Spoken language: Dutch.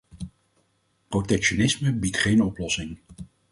Protectionisme biedt geen oplossing.